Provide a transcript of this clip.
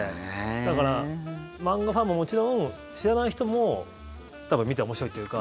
だから、漫画ファンももちろん知らない人も多分、見て面白いというか。